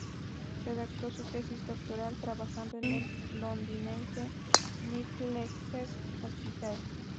Redactó su tesis doctoral trabajando en el londinense Middlesex Hospital.